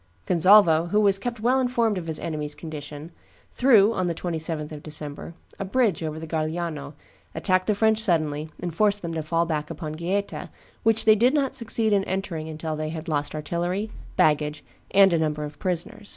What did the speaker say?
Gonzalvo, who was kept well informed of his enemies' condition, threw, on the 27th of December, a bridge over the Garigliano, attacked the French suddenly, and forced them to fall back upon Gaeta, which they did not succeed in entering until they had lost artillery, baggage, and a number of prisoners.